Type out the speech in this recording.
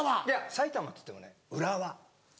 埼玉といってもね浦和。